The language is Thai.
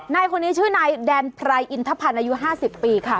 นายคนนี้ชื่อนายแดนไพรอินทพันธ์อายุ๕๐ปีค่ะ